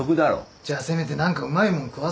じゃあせめて何かうまいもん食わせろよ。